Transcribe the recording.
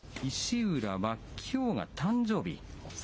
石浦は、きょうが誕生日。